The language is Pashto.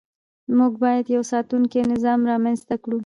موږ باید یو ساتونکی نظام رامنځته کړو.